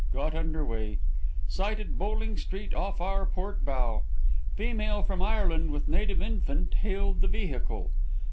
Got under way. Sighted Bowling Green off our port bow. Female from Ireland with native infant hailed the vehicle.